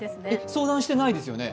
相談していないですよね？